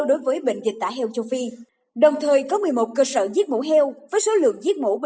đối với bệnh dịch tả heo châu phi đồng thời có một mươi một cơ sở giết mổ heo với số lượng giết mổ